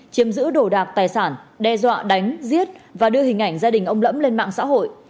chiếm giữ đồ đạc tài sản đe dọa đánh giết và đưa hình ảnh gia đình ông lẫm lên mạng xã hội